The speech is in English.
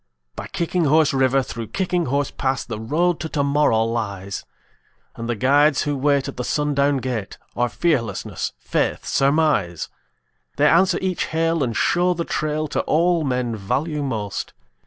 By Kicking Horse River, through Kicking Horse Pass, The Road to Tomorrow lies; And the guides who wait at the sundown gate Are Fearlessness, Faith, Surmise. They answer each hail and show the trail To all men value most.